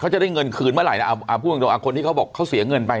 เขาจะได้เงินคืนเมื่อไหร่นะพูดตรงคนที่เขาบอกเขาเสียเงินไป